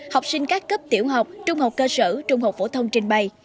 học sinh các cấp tiểu học trung học cơ sở trung học phổ thông trình bày